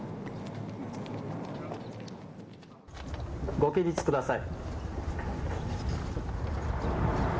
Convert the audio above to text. ご起立ください。